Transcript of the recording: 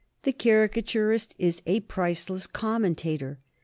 The caricaturist is a priceless commentator.